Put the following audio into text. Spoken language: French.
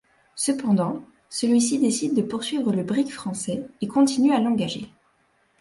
Cependant, celui-ci décide de poursuivre le brick français et continue à l'engager.